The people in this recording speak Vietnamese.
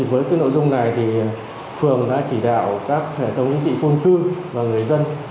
với cái nội dung này thì phường đã chỉ đạo các hệ thống trị quân cư và người dân